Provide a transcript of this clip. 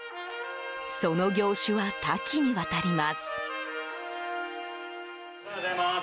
その業種は多岐にわたります。